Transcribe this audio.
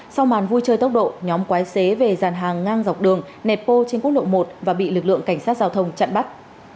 sau màn vui chơi tốc độ nhóm quái xế về dàn hàng ngang dọc đường nẹp bô trên quốc lộ một và bị lực lượng cảnh sát giao thông chặn bắt